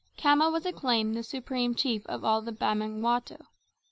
Khama was acclaimed the supreme chief of all the Bamangwato.